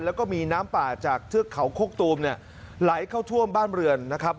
แล้วก็มีน้ำป่าจากเทือกเขาโคกตูมเนี่ยไหลเข้าท่วมบ้านเรือนนะครับ